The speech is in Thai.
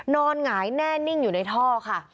หงายแน่นิ่งอยู่ในท่อค่ะ